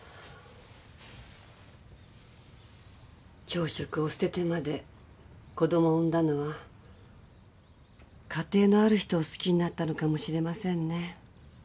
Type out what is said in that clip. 教職を捨ててまで子供を産んだのは家庭のある人を好きになったのかもしれませんね。